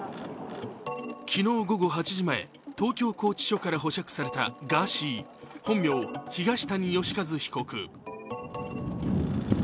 昨日午後８時前、東京拘置所から保釈されたガーシー、本名・東谷義和被告。